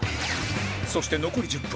そして残り１０分